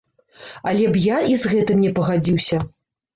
Але б я і з гэтым не пагадзіўся.